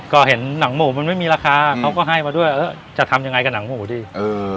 ก็เห็นหนังหมูมันไม่มีราคาเขาก็ให้มาด้วยเออจะทำยังไงกับหนังหมูดิเออ